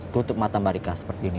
tutup mata mbak rika seperti ini